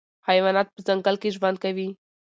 حیوانات په ځنګل کې ژوند کوي.